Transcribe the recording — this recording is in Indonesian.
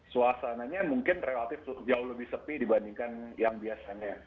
suasananya mungkin relatif jauh lebih sepi dibandingkan yang biasanya